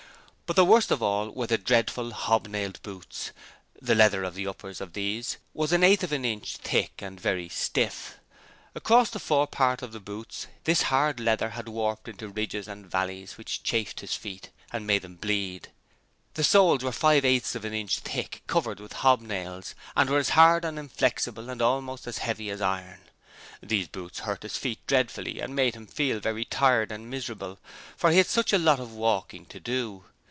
But the worst of all were the dreadful hobnailed boots: the leather of the uppers of these was an eighth of an inch thick, and very stiff. Across the fore part of the boot this hard leather had warped into ridges and valleys, which chafed his feet, and made them bleed. The soles were five eighths of an inch thick, covered with hobnails, and were as hard and inflexible and almost as heavy as iron. These boots hurt his feet dreadfully and made him feel very tired and miserable, for he had such a lot of walking to do.